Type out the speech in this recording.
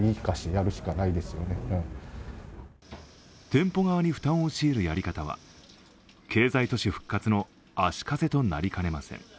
店舗側に負担を強いるやり方は経済都市復活の足かせとなりかねません。